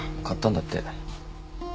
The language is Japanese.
買ったんだって。